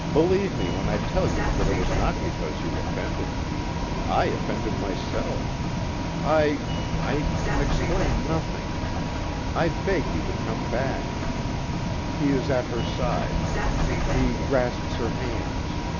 Believe me when I tell you that it was not because you offended me I offended myself. I I can explain nothing. I beg you to come back." He is at her side. He grasps her hands.